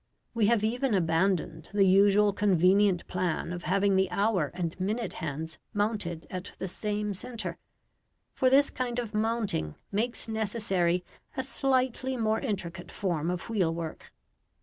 We have even abandoned the usual convenient plan of having the hour and minute hands mounted at the same centre; for this kind of mounting makes necessary a slightly more intricate form of wheelwork.